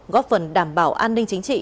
góp phần đảm bảo an ninh chính trị